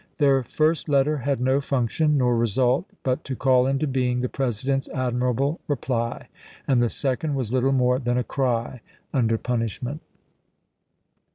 Their first letter had no function nor result but to call into being the President's admirable reply, and the second was little more than a cry under pun ishment.